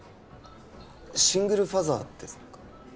シングルファザーですか？